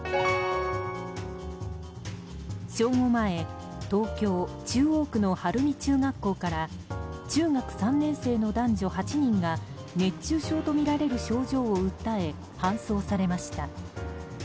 正午前、東京・中央区の晴海中学校から中学３年生の男女８人が熱中症とみられる症状を訴え搬送されました。